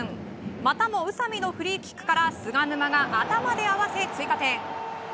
またも宇佐美のフリーキックから菅沼が頭で合わせ追加点。